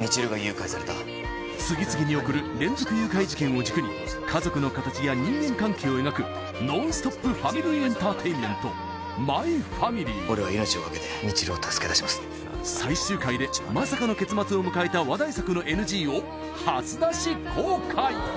未知留が誘拐された次々に起こる連続誘拐事件を軸に家族の形や人間関係を描くノンストップファミリーエンターテインメント「マイファミリー」俺は命をかけて未知留を助けだします最終回でまさかの結末を迎えた話題作のＮＧを初出し公開！